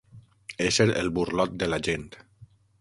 Ésser el burlot de la gent.